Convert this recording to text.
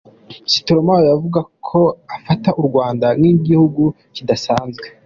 Stromae yavuze ko afata u Rwanda nk’igihugu kidasanzwe.